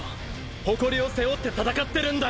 誇りを背負って闘ってるんだよ！！